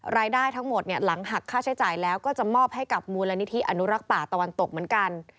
รายได้ทั้งหมดเนี่ยหลังหักค่าใช้จ่ายแล้วก็จะมอบให้กับมูลนิธิอนุรักษ์ป่าตะวันตกเหมือนกัน